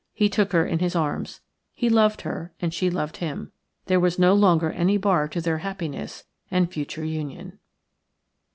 He took her in his arms. He loved her and she loved him. There was no longer any bar to their happiness and future union.